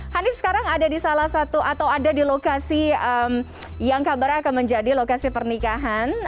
hanif sekarang ada di salah satu atau ada di lokasi yang kabarnya akan menjadi lokasi pernikahan